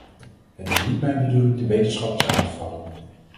Het is niet mijn bedoeling de wetenschappers aan te vallen.